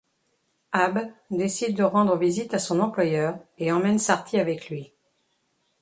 Ab décide de rendre visite à son employeur et emmène Sarty avec lui.